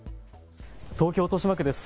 東京豊島区です。